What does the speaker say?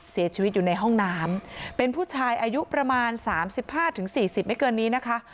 เสียชีวิตอยู่ในห้องน้ำเป็นผู้ชายอายุประมาณ๓๕๔๐ไม่เกินนี้นะคะ